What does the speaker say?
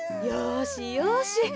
よしよし。